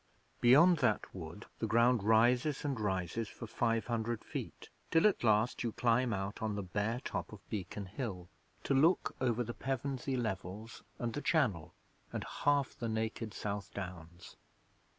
Beyond that wood the ground rises and rises for five hundred feet, till at last you climb out on the bare top of Beacon Hill, to look over the Pevensey Levels and the Channel and half the naked South Downs.